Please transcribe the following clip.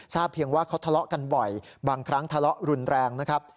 เพียงว่าเขาทะเลาะกันบ่อยบางครั้งทะเลาะรุนแรงนะครับ